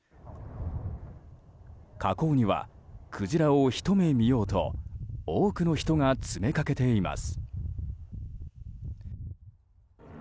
河口にはクジラをひと目見ようと多くの人が詰めかけています。